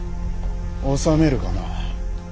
収めるかな。